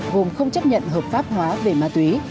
gồm không chấp nhận hợp pháp hóa về ma túy